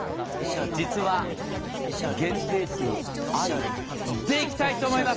実は限定数ありでいきたいと思います。